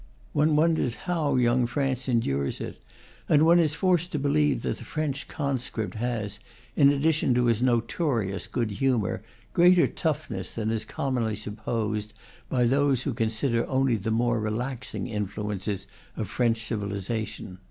One wonders how young France en dures it, and one is forced to believe that the French conscript has, in addition to his notorious good humor, greater toughness than is commonly supposed by those who consider only the more relaxing influences of French civilization.